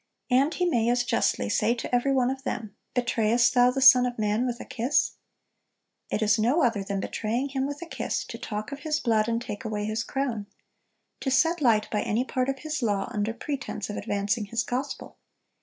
And He may as justly say to every one of them, 'Betrayest thou the Son of man with a kiss?' It is no other than betraying Him with a kiss, to talk of His blood, and take away His crown; to set light by any part of His law, under pretense of advancing His gospel.